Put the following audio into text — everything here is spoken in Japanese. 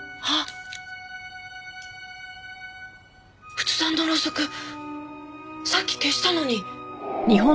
仏壇のろうそくさっき消したのに。